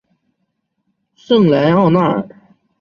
圣莱奥纳尔。